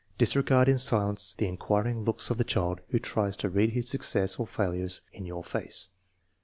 Disregard in silence the inquiring looks of the child who tries to read his success or failure in your face.